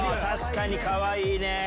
確かにかわいいね！